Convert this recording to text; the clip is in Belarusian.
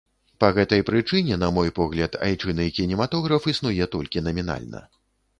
Па гэтай прычыне, на мой погляд, айчыны кінематограф існуе толькі намінальна.